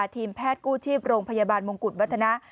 ทีมแพทย์กู้ชีพโรงพยาบาลมงกุฎวัฒนะ